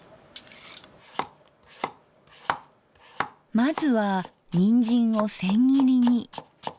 まずはにんじんを千切りに。